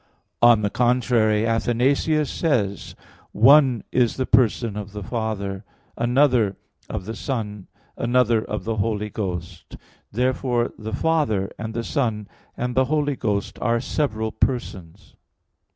On the contrary, Athanasius says: "One is the person of the Father, another of the Son, another of the Holy Ghost." Therefore the Father, and the Son, and the Holy Ghost are several persons.